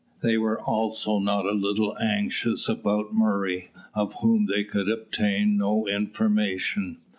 They were also not a little anxious about Murray, of whom they could obtain no information.